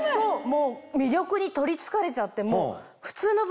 魅力に取りつかれちゃってもう。